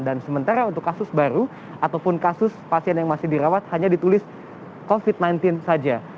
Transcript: dan sementara untuk kasus baru ataupun kasus pasien yang masih dirawat hanya ditulis covid sembilan belas saja